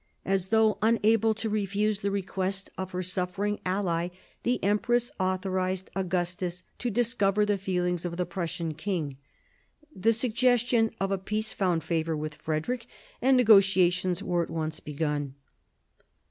As though unable to refuse the request of her suffering ally, the empress authorised Augustus to dis cover the feelings of the Prussian king. The suggestion of a peace found favour with Frederick, and negotiations were at once begun.